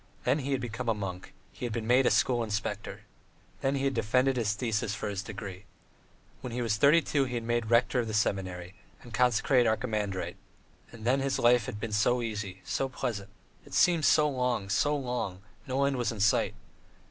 Then he had become a monk; he had been made a school inspector. Then he had defended his thesis for his degree. When he was thirty two he had been made rector of the seminary, and consecrated archimandrite: and then his life had been so easy, so pleasant; it seemed so long, so long, no end was in sight.